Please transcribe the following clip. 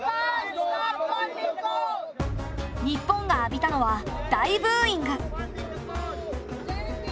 日本が浴びたのは大ブーイング！